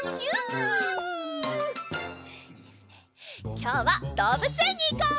きょうはどうぶつえんにいこう！